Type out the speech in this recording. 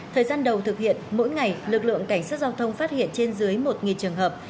thời gian đầu thực hiện mỗi ngày lực lượng cảnh sát giao thông phát hiện trên dưới một trường hợp